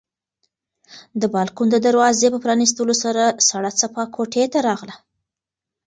د بالکن د دروازې په پرانیستلو سره سړه څپه کوټې ته راغله.